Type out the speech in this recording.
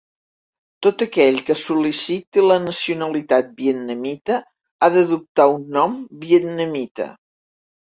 Tot aquell que sol·liciti la nacionalitat vietnamita ha d'adoptar un nom vietnamita.